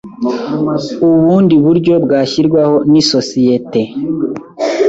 ubundi buryo bwashyirwaho n isosiyete